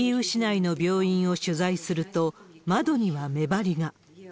市内の病院を取材すると、窓には目張りが。